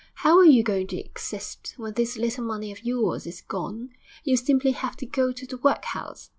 How are you going to exist when this little money of yours is gone? You'll simply have to go to the workhouse....